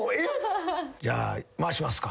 じゃあ回しますか。